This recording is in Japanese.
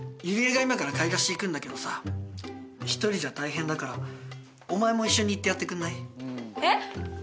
友里恵が今から買い出し行くんだけどさ一人じゃ大変だからお前も一緒に行ってやってくんない？えっ！？